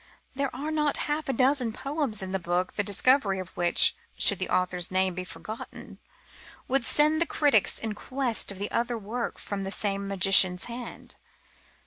There are not half a dozen poems in the book the discovery of which, should the author's name be forgotten, would send the critics in quest of other work from the same magician's hand.